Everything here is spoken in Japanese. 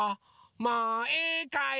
もういいかい？